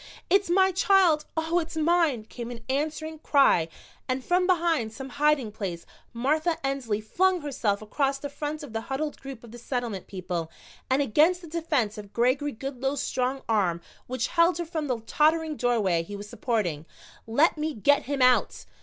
"It's my child, Oh, it's mine!" came an answering, cry, and from behind some hiding place Martha Ensley flung herself across the front of the huddled group of the Settlement people and against the defense of Gregory Goodloe's strong arm which held her from the tottering doorway he was supporting. "Let me get him out!"